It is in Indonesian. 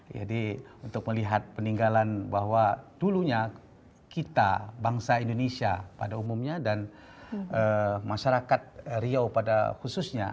untuk melihat peninggalan bahwa dulunya kita bangsa indonesia pada umumnya dan masyarakat riau pada khususnya